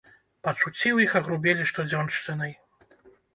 Пачуцці ў іх агрубелі штодзёншчынай.